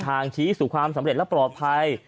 ชี้สู่ความสำเร็จและปลอดภัย